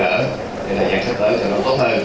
thì thời gian sắp tới sẽ tốt hơn